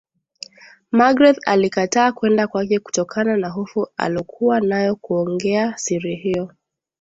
Magreth alikataa kwenda kwake kutokana na hofu alokua nayo kuongea siri hiyo